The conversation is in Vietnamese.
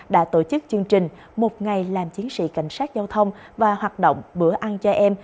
đã tổ chức chương trình một ngày làm chiến sĩ cảnh sát giao thông và hoạt động bữa ăn cho em